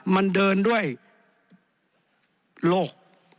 มันเดินด้วยโลก